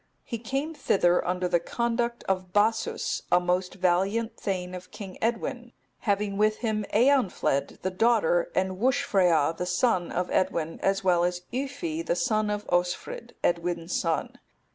He came thither under the conduct of Bassus, a most valiant thegn of King Edwin, having with him Eanfled, the daughter, and Wuscfrea, the son of Edwin, as well as Yffi, the son of Osfrid, Edwin's son.